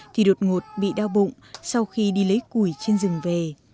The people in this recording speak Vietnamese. thì đột ngột bị đau bụng sau khi đi lấy củi trên rừng về